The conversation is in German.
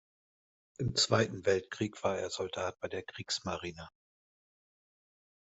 Im Zweiten Weltkrieg war er Soldat bei der Kriegsmarine.